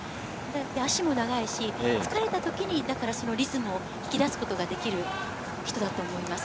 足も長いし、疲れた時にリズムを引き出すことができる人だと思います。